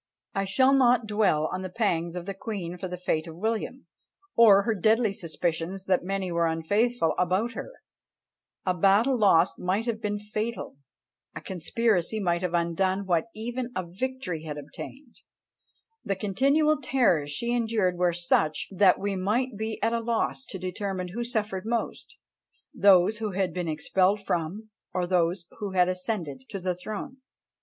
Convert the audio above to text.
I shall not dwell on the pangs of the queen for the fate of William or her deadly suspicions that many were unfaithful about her; a battle lost might have been fatal; a conspiracy might have undone what even a victory had obtained; the continual terrors she endured were such, that we might be at a loss to determine who suffered most, those who had been expelled from, or those who had ascended the throne.